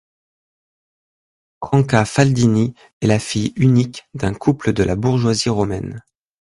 Franca Faldini est la fille unique d'un couple de la bourgeoisie romaine.